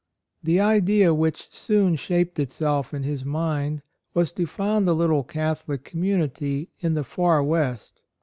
"' The idea which soon shaped itself in his mind was to found a little Catholic community in the far West.